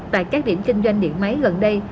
tại các điểm kinh doanh điện máy gần đây